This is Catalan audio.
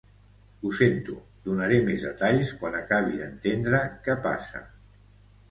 Ho sento, donaré més detalls quan acabi d'entendre què passa.